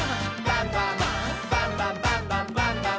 バンバン」「バンバンバンバンバンバン！」